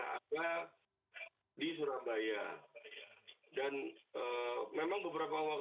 itu kan butuh waktu satu tahun kalau gak salah untuk yang berkaitan dengan commodity atau forex ya